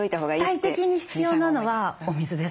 絶対的に必要なのはお水です。